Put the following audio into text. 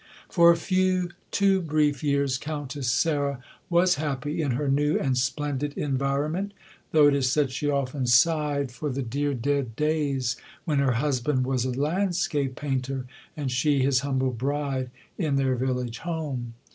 For a few too brief years Countess Sarah was happy in her new and splendid environment, though it is said she often sighed for the dear dead days when her husband was a landscape painter, and she his humble bride in their village home.